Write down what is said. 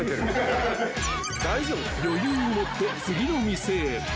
［余裕を持って次の店へ］